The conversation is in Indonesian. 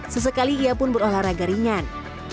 sesekali ia pun berolahraga ringan